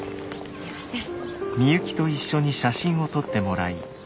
すいません。